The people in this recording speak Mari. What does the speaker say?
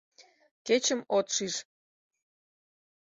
Кечым от шиж.